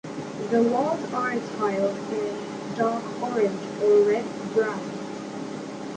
The walls are tiled in dark orange or "red-brown".